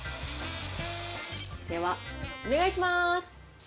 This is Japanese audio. ではお願いします。